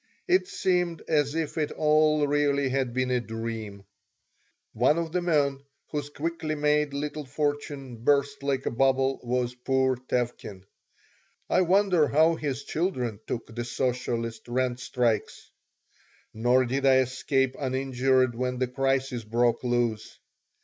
It seemed as if it all really had been a dream One of the men whose quickly made little fortune burst like a bubble was poor Tevkin. I wondered how his children took the socialist rent strikes Nor did I escape uninjured when the crisis broke loose.